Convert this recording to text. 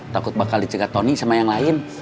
takut bakal dicegat tony sama yang lain